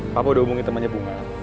papa udah hubungi temannya bunga